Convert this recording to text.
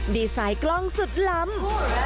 ดีไซน์กล้องสุดล้ำ